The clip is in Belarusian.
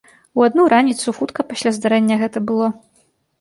У адну раніцу, хутка пасля здарэння гэта было.